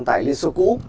tại liên xô cũ